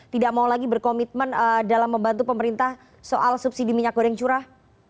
tidak mau lagi berkomitmen dalam membantu pemerintah soal subsidi minyak goreng curah